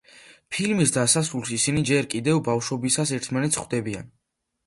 ფილმის დასასრულს ისინი, ჯერ კიდევ ბავშვობისას, ერთმანეთს ხვდებიან.